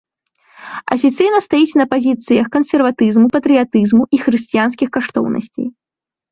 Афіцыйна стаіць на пазіцыях кансерватызму, патрыятызму і хрысціянскіх каштоўнасцей.